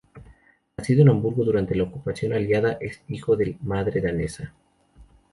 Nacido en Hamburgo durante la ocupación aliada, es hijo de madre danesa.